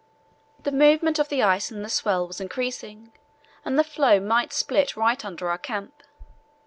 The movement of the ice in the swell was increasing, and the floe might split right under our camp.